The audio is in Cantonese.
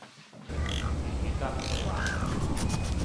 粵語加普通話